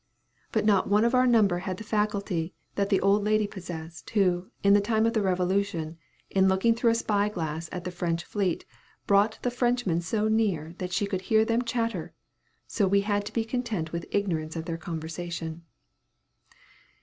But not one of our number had the faculty that the old lady possessed, who, in the time of the Revolution, in looking through a spy glass at the French fleet, brought the Frenchmen so near, that she could hear them chatter; so we had to be content with ignorance of their conversation.